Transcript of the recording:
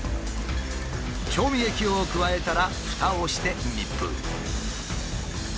調味液を加えたらふたをして密封。